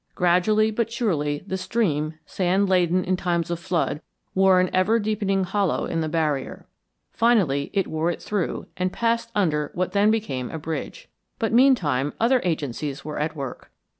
Gradually but surely the stream, sand laden in times of flood, wore an ever deepening hollow in the barrier. Finally it wore it through and passed under what then became a bridge. But meantime other agencies were at work.